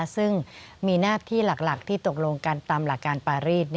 ซึ่งมีหน้าที่หลักที่ตกลงกันตามหลักการปารีส